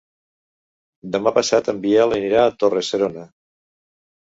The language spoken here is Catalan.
Demà passat en Biel anirà a Torre-serona.